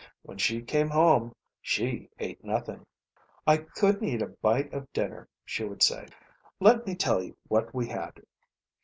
When she came home she ate nothing. "I couldn't eat a bite of dinner," she would say. "Let me tell you what we had."